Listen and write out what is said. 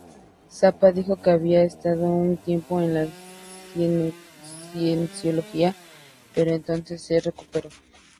Zappa dijo que "había estado un tiempo en la cienciología, pero entonces se recuperó".